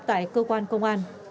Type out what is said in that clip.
tại cơ quan công an